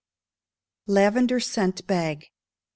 Lavender Scent Bag.